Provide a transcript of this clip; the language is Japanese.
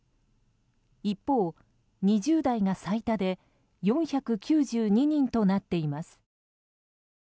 一方、２０代が最多で４９２人となっています。